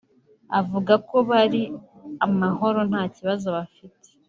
avuga ko bari amahoro nta kibazo bafite